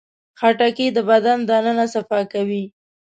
خټکی د بدن دننه صفا کوي.